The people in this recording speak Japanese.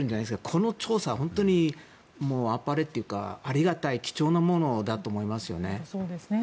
この調査、本当にあっぱれというか、ありがたい貴重なものだと思いますよね。